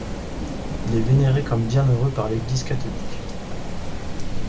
Il est vénéré comme Bienheureux par l'Église catholique.